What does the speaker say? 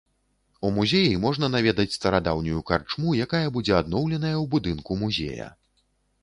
У музеі можна наведаць старадаўнюю карчму, якая будзе адноўленая ў будынку музея.